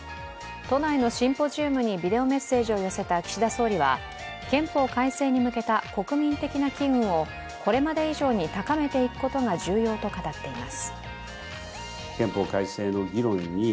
都内のシンポジウムにビデオメッセージを寄せた岸田総理は、憲法改正に向けた国民的な機運をこれまで以上に高めていくことが重要と語っています。